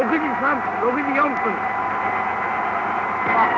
６時４分。